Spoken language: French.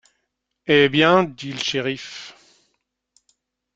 Eh bien? dit le shériff.